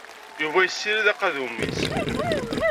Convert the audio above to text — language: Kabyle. Yuba yessirid aqadum-is.